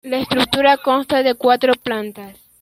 La estructura consta de cuatro plantas.